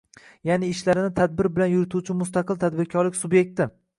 Ya’ni ishlarini tabdir bilan yurituvchi mustaqil tadbirkorlik sub’ekti.